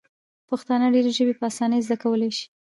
پښتانه ډیري ژبي په اسانۍ زده کولای سي.